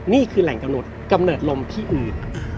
นี่คือแหล่งกำหนดกำเนิดลมที่อื่น